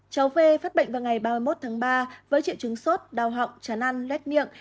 cháu v phát bệnh vào ngày ba mươi một tháng ba với triệu chứng sốt đau họng chán ăn lét miệng